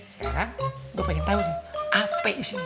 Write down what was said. sekarang gue pengen tahu nih apa isinya